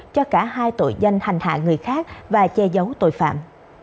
cho cả hai tội danh hành hạ người khác và che giấu tội phạm